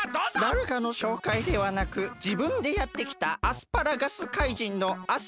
だれかのしょうかいではなくじぶんでやってきたアスパラガス怪人のアス原ガス男です。